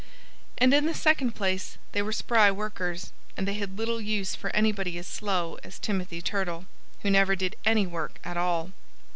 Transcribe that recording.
And in the second place, they were spry workers; and they had little use for anybody as slow as Timothy Turtle, who never did any work at all.